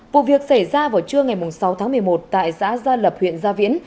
vụ việc xảy ra vào trưa ngày sáu tháng một mươi một tại xã gia lập huyện gia viễn